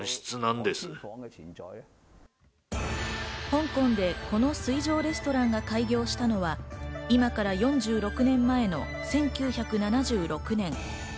香港でこの水上レストランが開業したのは今から４６年前の１９７６年。